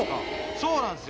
そうなんですよ。